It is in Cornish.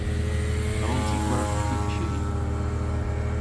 A wrons i gwertha hy chi?